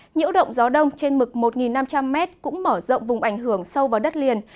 nhiễu động gió đông trên mực một năm trăm linh m cũng mở rộng vùng ảnh hưởng sâu vào đất liền